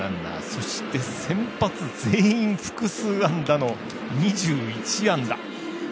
そして、先発全員、複数安打の２１安打。